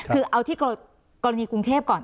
คือเอาที่กรณีกรุงเทพก่อน